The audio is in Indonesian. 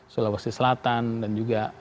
sulawesi selatan dan juga